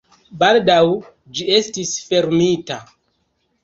Baldaŭ ĝi estis fermita.